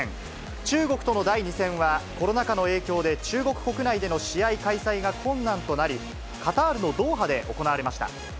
中国との第２戦はコロナ禍の影響で中国国内での試合開催が困難となり、カタールのドーハで行われました。